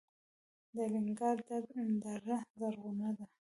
د الینګار دره زرغونه ده